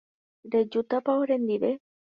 Rejútapa orendive.